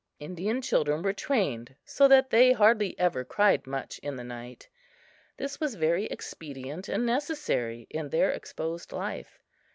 Indian children were trained so that they hardly ever cried much in the night. This was very expedient and necessary in their exposed life.